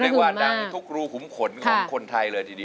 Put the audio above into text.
ดังทุกรูขุมขนของคนไทยเลยทีเดียว